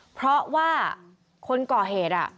เพราะว่าคนก่อเหตุ